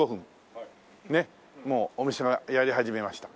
もうお店はやり始めました。